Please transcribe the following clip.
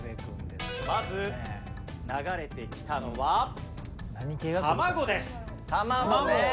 まず流れてきたのはたまごです！